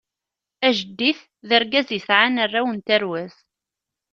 Ajeddit d argaz yesɛan arraw n tarwa-s.